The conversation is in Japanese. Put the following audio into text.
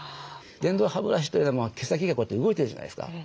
電動歯ブラシというのは毛先がこうやって動いてるじゃないですか。